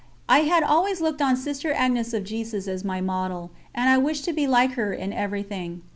I had always looked on Sister Agnes of Jesus as my model, and I wished to be like her in everything.